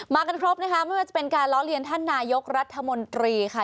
กันครบนะคะไม่ว่าจะเป็นการล้อเลียนท่านนายกรัฐมนตรีค่ะ